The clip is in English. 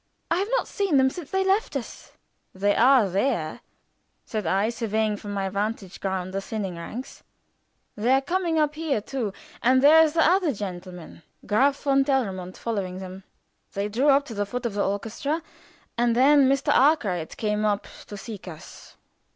"I have not seen them since they left us." "They are there," said I, surveying from my vantage ground the thinning ranks. "They are coming up here too. And there is the other gentleman, Graf von Telramund, following them." They drew up to the foot of the orchestra, and then Mr. Arkwright came up to seek us.